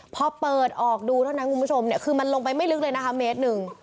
พอเปิดออกดูเท่านั้นคุณผู้ชมเนี่ยคือมันลงไปไม่ลึกเลยนะคะเมตรหนึ่ง